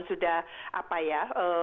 sudah apa ya